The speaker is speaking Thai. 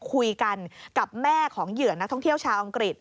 คุยกันกับแม่ของเหยื่อนักท่องเที่ยวชาวอังกฤษ